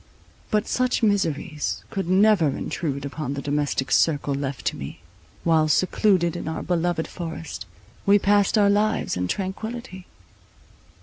But such miseries could never intrude upon the domestic circle left to me, while, secluded in our beloved forest, we passed our lives in tranquillity.